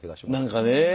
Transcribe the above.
何かね。